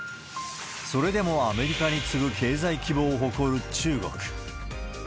それでもアメリカに次ぐ経済規模を誇る中国。